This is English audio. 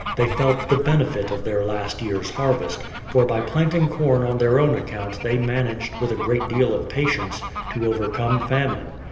They felt the benefit of their last year's harvest ; for by planting corn on their own account they managed, with a great deal of patience, to overcome famine.